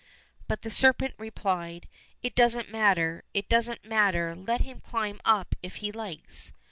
— But the serpent replied, " It doesn't matter, it doesn't matter ; let him climb up if he likes."